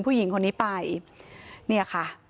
พนักงานในร้าน